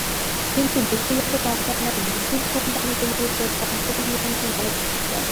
কিন্তু ব্যক্তিগত মালিকানার বিদ্যুত্ কোম্পানিগুলোর ওপর কার্যকর নিয়ন্ত্রণ আরোপ করতে পারেনি।